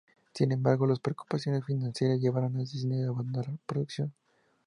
Sin embargo, las preocupaciones financieras llevaron a Disney a abandonar la producción.